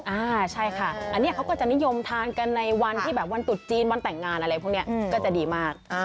อ่าใช่ค่ะอันนี้เขาก็จะนิยมทานกันในวันที่แบบวันตุดจีนวันแต่งงานอะไรพวกนี้ก็จะดีมาก